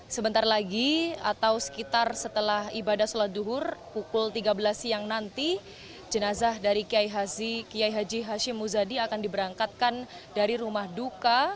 sebentar lagi atau sekitar setelah ibadah sholat duhur pukul tiga belas siang nanti jenazah dari kiai haji hashim muzadi akan diberangkatkan dari rumah duka